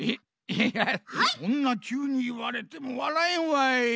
いやそんなきゅうにいわれてもわらえんわい。